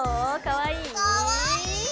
かわいい！